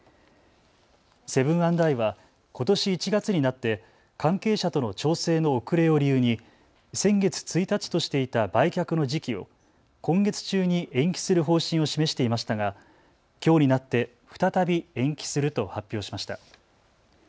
セブン＆アイはことし１月になって関係者との調整の遅れを理由に先月１日としていた売却の時期を今月中に延期する方針を示していましたがきょうになって再び延期すると発表しました。